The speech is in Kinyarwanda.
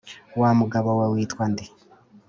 Wa mugabo we witwa nde